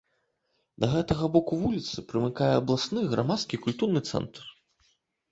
Да гэтага боку вуліцы прымыкае абласны грамадскі культурны цэнтр.